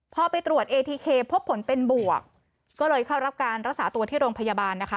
พอไปตรวจเอทีเคพบผลเป็นบวกก็เลยเข้ารับการรักษาตัวที่โรงพยาบาลนะคะ